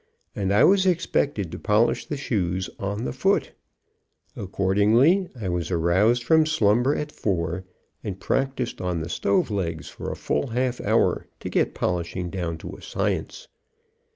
And I was expected to polish the shoes on the foot. Accordingly, I was aroused from slumber at four, and practiced on the stove legs for a full half hour, to get polishing down to a science.